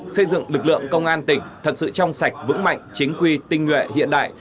xây dựng lực lượng công an tỉnh thật sự trong sạch vững mạnh chính quy tinh nguyện hiện đại